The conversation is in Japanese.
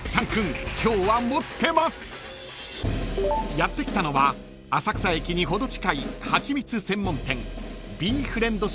［やって来たのは浅草駅に程近いはちみつ専門店］